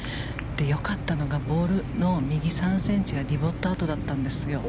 よかったのがボールの右３ｃｍがディボット跡だったんですよ。